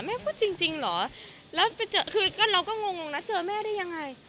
ว่าจริงเหรอแล้วไปเจอคือก็เราก็งงนะเจอแม่ได้ยังไง